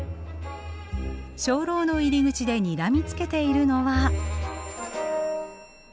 鐘楼の入り口でにらみつけているのは。